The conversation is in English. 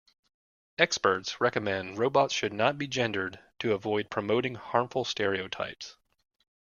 Experts recommend robots should not be gendered to avoid promoting harmful stereotypes..